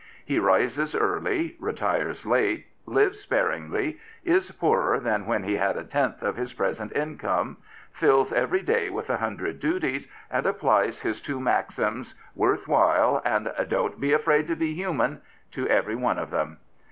He rises early, retires late, lives sparingly, is poorer than when he had a tenth of his present income, fills every day with a hundred duties, and applies his two maxims, " Worth while " and Don't be afraid to be human," to every one of them.